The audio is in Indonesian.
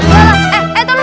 eh eh tunggu tunggu